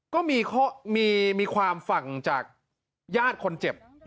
ก็มีความฝั่งจากญาติคนเจ็บ